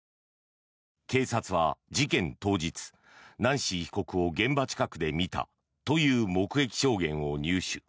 警察は事件当日、ナンシー被告を現場近くで見たという目撃証言を入手。